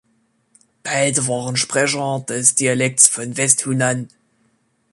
Beide waren Sprecher des Dialekts von West-Hunan.